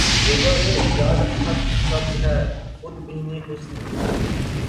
جوہر ایجاد خط سبز ہے خود بینیٔ حسن